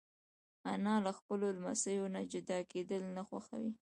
انا له خپلو لمسیو نه جدا کېدل نه خوښوي